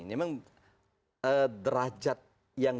memang derajat yang